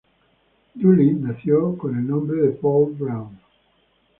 Dooley nació con el nombre de Paul Brown.